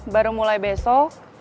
baru mulai besok